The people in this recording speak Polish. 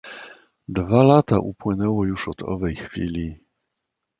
"Dwa lata upłynęło już od owej chwili..."